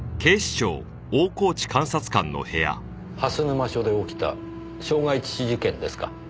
蓮沼署で起きた傷害致死事件ですか。